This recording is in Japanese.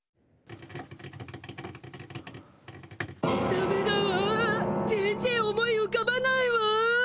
ダメだわ全然思いうかばないわ。